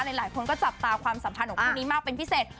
หลายคนก็จับตาความสัมพันธ์ของคู่นี้มากเป็นพิเศษ